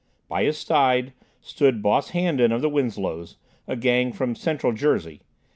By his side stood Boss Handan of the Winslows, a Gang from Central Jersee.